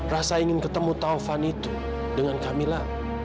rasa ingin ketemu taufan itu dengan kamilah